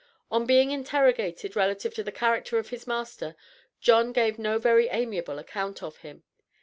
On being interrogated relative to the character of his master, John gave no very amiable account of him.